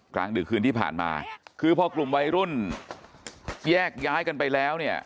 กลางดึกคืนที่ผ่านมาคือพอกลุ่มวัยรุ่นแยกย้ายกันไปแล้วเนี่ย